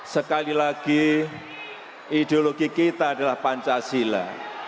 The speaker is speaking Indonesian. sekali lagi ideologi kita adalah pancasila